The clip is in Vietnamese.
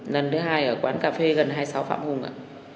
lần thứ hai ở quán cà phê gần hai mươi sáu phạm hùng ạ